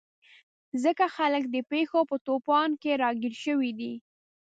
ځکه خلک د پېښو په توپان کې راګیر شوي دي.